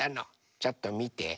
ちょっとみて。